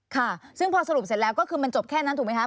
ค่ะซึ่งพอสรุปเสร็จแล้วก็คือมันจบแค่นั้นถูกไหมคะ